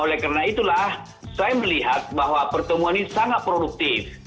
oleh karena itulah saya melihat bahwa pertemuan ini sangat produktif